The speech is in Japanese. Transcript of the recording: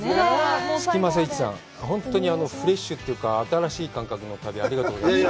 スキマスイッチさん、本当にフレッシュというか、新しい感覚の旅、ありがとうございました。